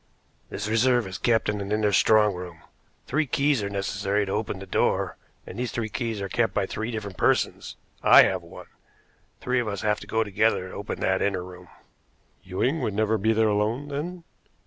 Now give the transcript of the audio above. "This reserve is kept in an inner strong room. Three keys are necessary to open the door, and these three keys are kept by three different persons. I have one. Three of us have to go together to open that inner room." "Ewing would never be there alone, then?"